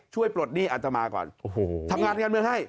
ช่วยปลดหนี้อัตมาก่อนทำงานเงินให้